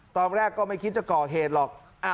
ตอนแรกก็ไม่คิดจะก่อเหตุหรอก